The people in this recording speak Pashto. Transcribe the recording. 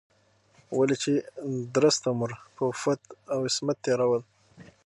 ولې چې درست عمر په عفت او عصمت تېرول